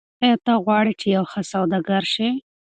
آیا ته غواړې چې یو ښه سوداګر شې؟